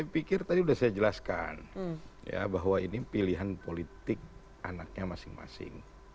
saya pikir tadi sudah saya jelaskan ya bahwa ini pilihan politik anaknya masing masing